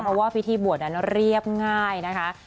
เพราะว่าพิธีบวชนั้นเรียบง่ายนะคะ